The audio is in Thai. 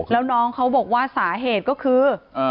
แล้วน้องเขาบอกว่าสาเหตุก็คือ